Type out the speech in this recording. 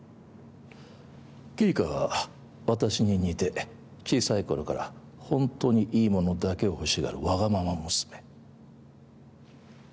きりかは私に似て小さいころから本当にいい物だけをほしがるわがまま娘。